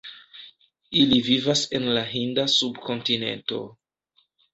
Ili vivas en la Hinda Subkontinento.